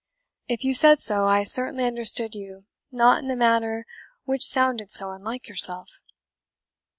If you said so, I certainly understood you not in a matter which sounded so unlike yourself."